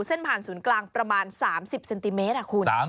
เส้นผ่านศูนย์กลางประมาณ๓๐เซนติเมตรคุณ